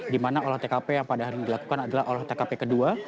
di mana olah tkp yang pada hari ini dilakukan adalah olah tkp kedua